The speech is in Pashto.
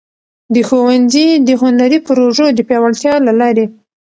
د ښونځي د هنري پروژو د پیاوړتیا له لارې.